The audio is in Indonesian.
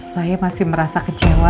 saya masih merasa kecewa